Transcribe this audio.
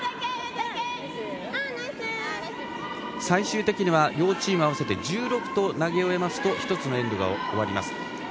最終的に両チーム合わせて１６投を投げ終えると、１つのエンドが終わります。